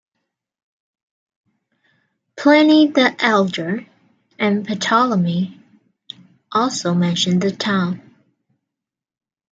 Pliny the Elder and Ptolemy also mention the town.